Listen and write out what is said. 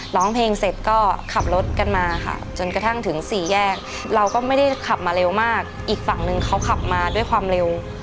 ร้องเพลงเสร็จก็ขับรถกันมาค่ะจนกระทั่งถึงสี่แยกเราก็ไม่ได้ขับมาเร็วมากอีกฝั่งนึงเขาขับมาด้วยความเร็ว